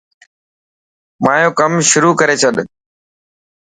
مايو ڪم شروح ڪري ڇڏ.